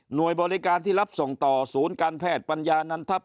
โดยบริการที่รับส่งต่อศูนย์การแพทย์ปัญญานันทัศ